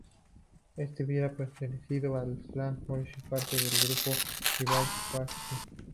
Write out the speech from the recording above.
Éste hubiera pertenecido al clan Banu Hashim, parte del grupo tribal quraysh.